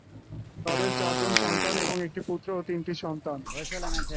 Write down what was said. তাদের চারজন সন্তান: একটি পুত্র ও তিনটি সন্তান।